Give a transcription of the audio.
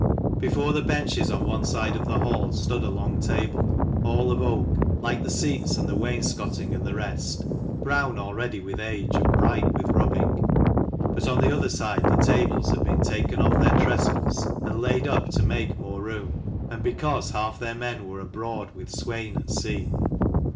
Before the benches on one side of the hall stood a long table, all of oak, like the seats and the wainscotting and the rest, brown already with age and bright with rubbing : but on the other side the tables had been taken off their trestles and laid up to make more room, and because half their men were abroad with Swein at sea.